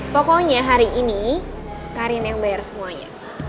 pokoknya hari ini karin yang bayar semuanya